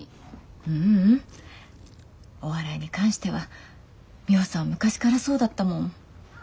ううんお笑いに関してはミホさんは昔からそうだったもん。